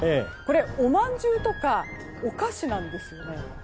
おまんじゅうとかお菓子なんですよね。